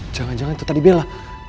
jangan jangan itu tadi bella